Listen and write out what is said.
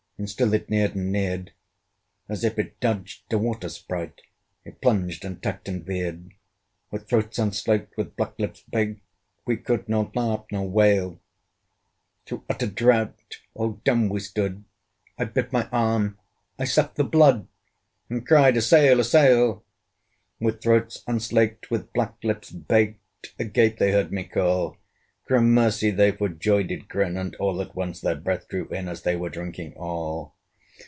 And still it neared and neared: As if it dodged a water sprite, It plunged and tacked and veered. With throats unslaked, with black lips baked, We could not laugh nor wail; Through utter drought all dumb we stood! I bit my arm, I sucked the blood, And cried, A sail! a sail! With throats unslaked, with black lips baked, Agape they heard me call: Gramercy! they for joy did grin, And all at once their breath drew in, As they were drinking all.